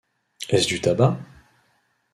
Est-ce du tabac ?